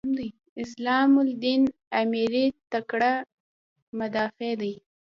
اسلام الدین امیري تکړه مدافع دی.